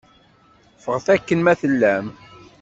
Ffɣet akken ma tellam.